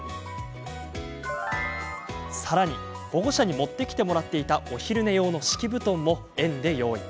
さらに、保護者に持ってきてもらっていたお昼寝用の敷布団も園で用意。